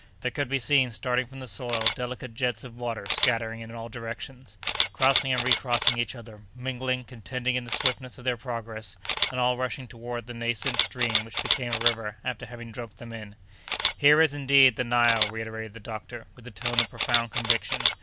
There could be seen, starting from the soil, delicate jets of water scattering in all directions, crossing and recrossing each other, mingling, contending in the swiftness of their progress, and all rushing toward that nascent stream which became a river after having drunk them in. "Here is, indeed, the Nile!" reiterated the doctor, with the tone of profound conviction.